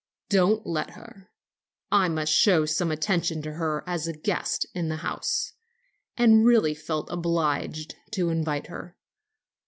"Don't let her; I must show some attention to her as a guest in the house, and really felt obliged to invite her.